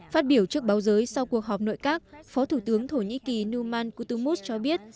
phát biểu trước báo giới sau cuộc họp nội các phó thủ tướng thổ nhĩ kỳ numan kutomuz cho biết